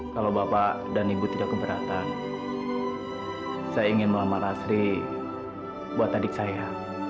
kalau bapak dan ibu tidak keberatan saya ingin melamar asri buat adik saya